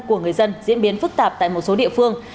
của người dân diễn biến phức tạp tại một số địa phương